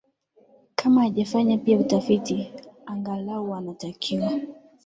kama hajafanya pia utafiti angalau wanatakiwa